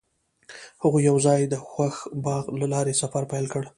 هغوی یوځای د خوښ باغ له لارې سفر پیل کړ.